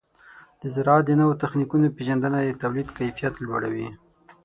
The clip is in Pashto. د زراعت د نوو تخنیکونو پیژندنه د تولید کیفیت لوړوي.